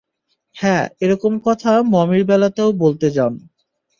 হ্যাঁ, এরকম কথা মমির বেলাতেও বলতে, জন।